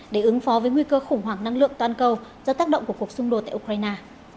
để ứng phó với nguy cơ khủng hoảng năng lượng toàn cầu do tác động của cuộc xung đột tại ukraine